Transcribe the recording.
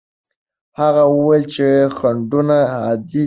هغه وویل چې خنډونه عادي دي.